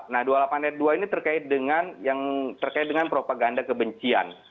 nah dua puluh delapan e dua ini terkait dengan propaganda kebencian